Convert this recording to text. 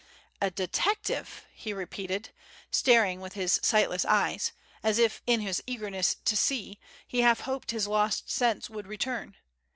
"A detective," he repeated, staring with his sightless eyes, as if, in his eagerness to see, he half hoped his lost sense would return.